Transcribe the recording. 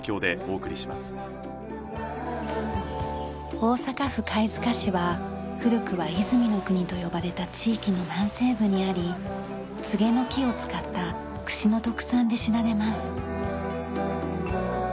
大阪府貝塚市は古くは和泉国と呼ばれた地域の南西部にありツゲの木を使った櫛の特産で知られます。